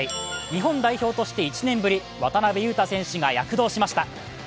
日本代表として１年ぶり、渡邊雄太選手が躍動しました。